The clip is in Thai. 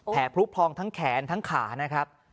พลุพองทั้งแขนทั้งขานะครับ